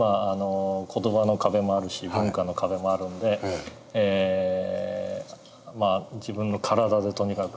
言葉の壁もあるし文化の壁もあるんで自分の体でとにかく。